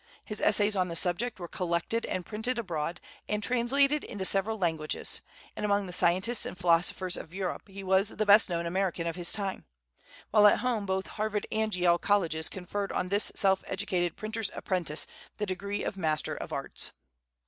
His essays on the subject were collected and printed abroad, and translated into several languages, and among the scientists and philosophers of Europe he was the best known American of his time; while at home both Harvard and Yale Colleges conferred on this self educated printers apprentice the degree of Master of Arts.